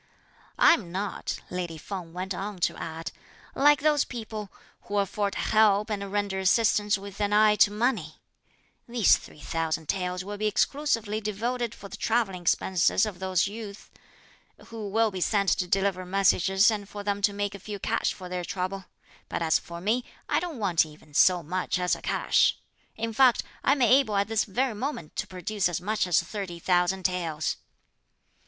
"I'm not," lady Feng went on to add, "like those people, who afford help and render assistance with an eye to money; these three thousand taels will be exclusively devoted for the travelling expenses of those youths, who will be sent to deliver messages and for them to make a few cash for their trouble; but as for me I don't want even so much as a cash. In fact I'm able at this very moment to produce as much as thirty thousand taels."